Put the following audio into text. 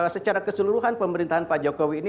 secara keseluruhan pemerintahan pak jokowi ini